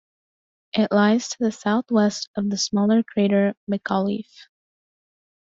It lies to the southwest of the smaller crater McAuliffe.